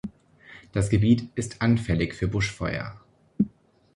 Das Gebiet ist anfällig für Buschfeuer.